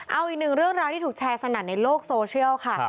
เอาอีกหนึ่งเรื่องราวที่ถูกแชร์สนั่นในโลกโซเชียลค่ะ